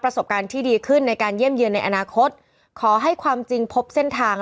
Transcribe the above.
ประสบการณ์ที่ดีขึ้นในการเยี่ยมเยือนในอนาคตขอให้ความจริงพบเส้นทาง